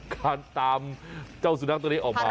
การตามเจ้าสุนัขตัวนี้ออกมา